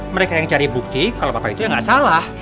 mereka yang cari bukti kalau bapak itu ya nggak salah